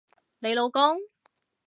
你老公？